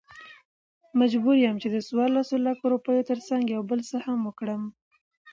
مجبور يم چې دڅورلسو لکو، روپيو ترڅنګ يو بل څه هم وکړم .